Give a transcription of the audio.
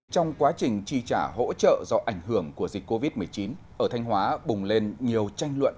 trong quá trình chi trả hỗ trợ do ảnh hưởng của dịch covid một mươi chín ở thanh hóa bùng lên nhiều tranh luận